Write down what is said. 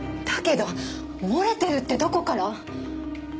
だけど漏れてるってどこから？